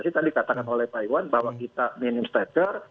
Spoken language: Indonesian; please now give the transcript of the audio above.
tadi katakan oleh pak iwan bahwa kita minimum striker